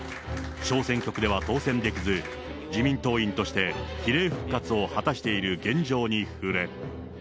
小選挙区では当選できず、自民党員として比例復活を果たしている現状に触れ。